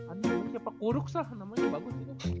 anjing siapa skurx lah namanya bagus juga